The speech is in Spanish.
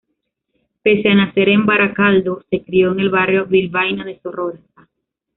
Pese a nacer en Baracaldo, se crio en el barrio bilbaíno de Zorroza.